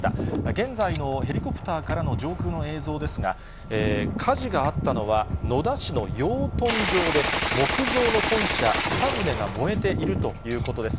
現在のヘリコプターからの上空の映像ですが、火事があったのは、野田市の養豚場で、木造の豚舎２棟が燃えているということです。